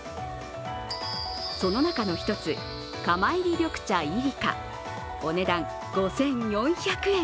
その中の１つ、釜炒り緑茶ＩＲＩＫＡ、お値段５４００円。